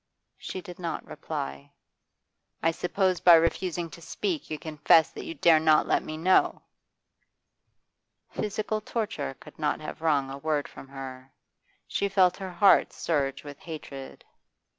She did not reply. 'I suppose by refusing to speak you confess that you dare not let me know?' Physical torture could not have wrung a word from her. She felt her heart surge with hatred.